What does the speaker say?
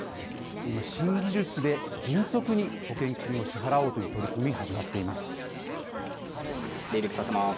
今、新技術で迅速に保険金を支払おうという取り組み、始まっています。